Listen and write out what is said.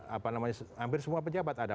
apa namanya hampir semua pejabat ada